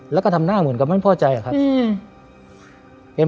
แล้วก็ทำหน้าเหมือนกับไม่พอใจอะครับ